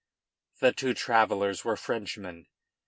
The two travellers were Frenchmen.